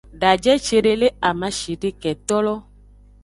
Daje cede le amashideketolo.